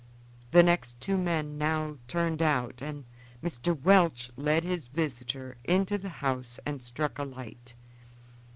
The next two men now turned out, and Mr. Welch led his visitor into the house and struck a light.